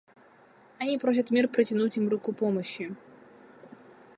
Они просят мир протянуть им руку помощи.